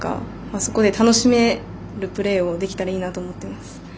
そこで楽しめるプレーができたらいいなと思っています。